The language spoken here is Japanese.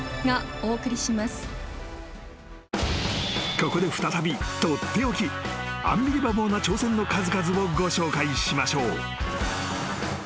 ［ここで再び取って置きアンビリバボーな挑戦の数々をご紹介しましょう］